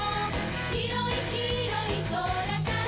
「広い広い空から」